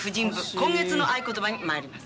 今月の合言葉に参ります。